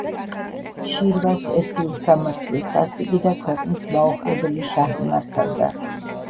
შირვას ერთი უსამართლო, სასტიკი და ქვეყნის მაოხრებელი შაჰი მართავდა.